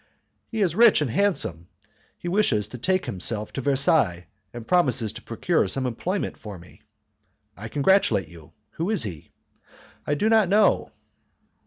"He is rich and very handsome. He wishes to take us himself to Versailles, and promises to procure some employment for me." "I congratulate you. Who is he?" "I do not know."